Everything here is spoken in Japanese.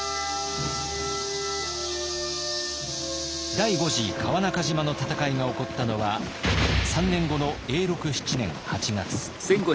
第五次川中島の戦いが起こったのは３年後の永禄７年８月。